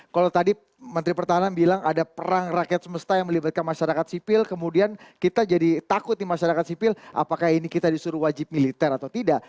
kalau tadi menteri pertahanan bilang ada perang rakyat semesta yang melibatkan masyarakat sipil kemudian kita jadi takut di masyarakat sipil apakah ini kita disuruh wajib militer atau tidak